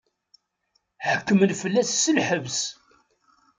Ḥekmen fell-as s lḥebs.